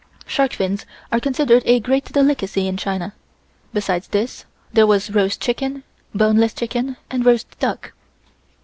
Shark fins are considered a great delicacy in China. Besides this there was roast chicken, boneless chicken and roast duck.